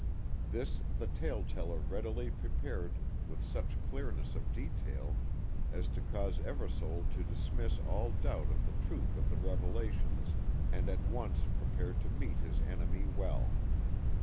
This the tale teller readily prepared with such clearness of detail as to cause Eversole to dismiss all doubt of the truth of the revelations and at once prepared to meet his enemy well.